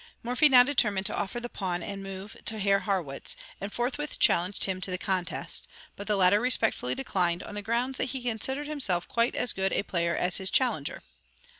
Morphy now determined to offer the pawn and move to Herr Harrwitz, and forthwith challenged him to the contest, but the latter respectfully declined, on the grounds that he considered himself quite as good a player as his challenger.